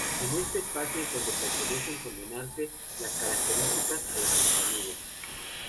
En este espacio es donde parecen condensarse las características a las que se alude.